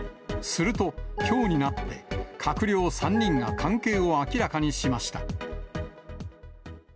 すると、きょうになって、閣僚３人が関係を明らかにしました。